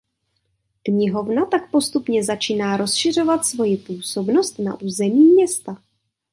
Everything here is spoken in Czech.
Knihovna tak postupně začíná rozšiřovat svoji působnost na území města.